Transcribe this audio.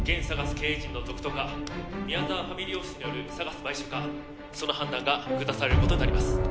経営陣の続投か宮沢ファミリーオフィスによるＳＡＧＡＳ買収かその判断が下されることになります